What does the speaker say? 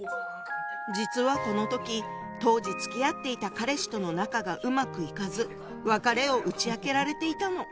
実はこの時当時つきあっていた彼氏との仲がうまくいかず別れを打ち明けられていたの。